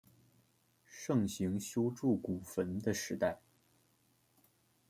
盛行修筑古坟的时代。